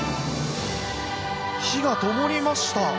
灯がともりました。